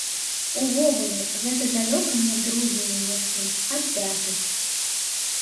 Увогуле, гэта далёка не другі яе шлюб, а пяты.